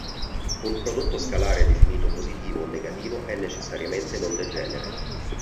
Un prodotto scalare definito positivo o negativo è necessariamente non degenere.